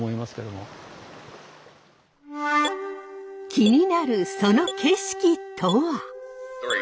気になるその景色とは？